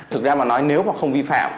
thực ra mà nói nếu mà không vi phạm